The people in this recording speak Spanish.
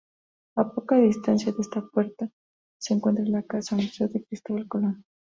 A poca distancia de esta puerta se encuentra la casa-museo de Cristóbal Colón.